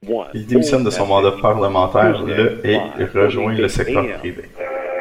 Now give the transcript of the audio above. Il démissionne de son mandat parlementaire le et rejoint le secteur privé.